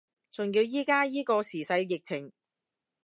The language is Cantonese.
仲要依家依個時勢疫情